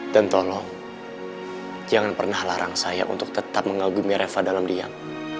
dan tolong jangan pernah larang saya untuk tetap mengagumi reva dalam diam